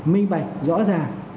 minh bạch rõ ràng